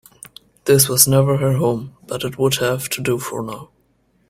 This was never her home, but it would have to do for now.